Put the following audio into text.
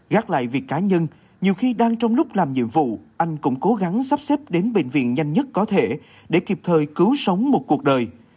gác lại việc cá nhân nhiều khi đang trong lúc làm nhiệm vụ anh cũng cố gắng sắp xếp đến bệnh viện nhanh nhất có thể để kịp thời cứu sống một cuộc đời